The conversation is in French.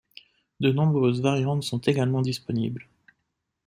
De nombreuses variantes sont également disponibles.